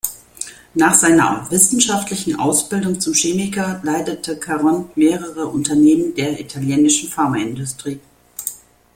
Nach seiner wissenschaftlichen Ausbildung zum Chemiker leitete Caron mehrere Unternehmen der italienischen Pharmaindustrie.